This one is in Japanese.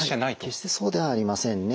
決してそうではありませんね。